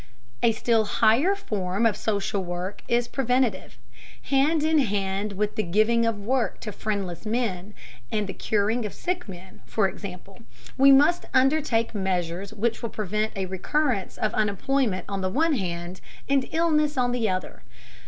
A still higher form of social work is preventive. Hand in hand with the giving of work to friendless men, and the curing of sick men, for example, we must undertake measures which will prevent a recurrence of unemployment on the one hand, and illness on the other.